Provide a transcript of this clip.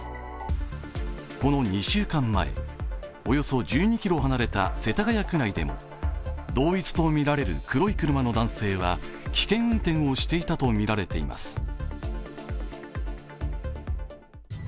この２週間前、およそ１２ｋｍ離れた、世田谷区内でも、同一とみられる黒い車の男性は危険運転をしていたとみられています。